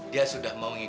dia sudah mau ini